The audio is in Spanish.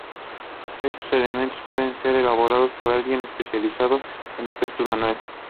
Todos estos elementos pueden ser elaborados por alguien especializado en efectos manuales.